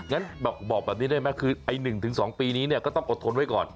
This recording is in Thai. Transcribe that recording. งั้นบอกแบบนี้ได้ไหมคือไอ้๑๒ปีนี้เนี่ยก็ต้องอดทนไว้ก่อน